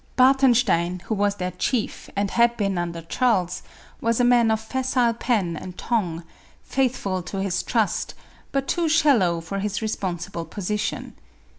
Barten stein, who was their chief, and had been uiuL r Charles, was a man of facile pen and tongue, faithful to his trust, but too shallow for his responsible position.